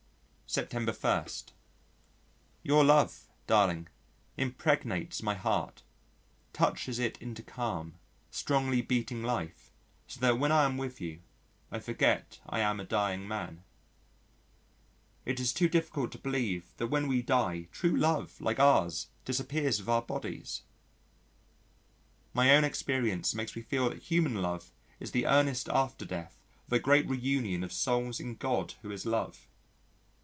September 1. Your love, darling, impregnates my heart, touches it into calm, strongly beating life so that when I am with you, I forget I am a dying man. It is too difficult to believe that when we die true love like ours disappears with our bodies. My own experience makes me feel that human love is the earnest after death of a great reunion of souls in God who is love.